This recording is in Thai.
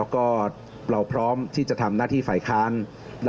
ขอใจใคร